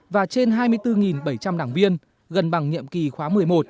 và trên hai mươi bốn bảy trăm linh đảng viên gần bằng nhiệm kỳ khóa một mươi một